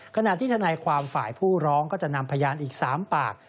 ขณะที่ทนายความฝ่ายผู้ร้องก็จะนำพยานอีก๓ปาก